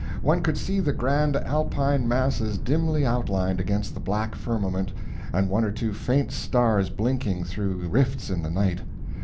One could see the grand Alpine masses dimly outlined against the black firmament, and one or two faint stars blinking through rifts in the night.